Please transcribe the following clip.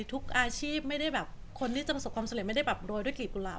ทุกอาชีพคนที่จะประสบความสำเร็จไม่ได้โดยด้วยกลีบกุหลาบ